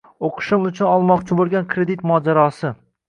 O‘qishim uchun olmoqchi bo‘lgan kredit mojarosi.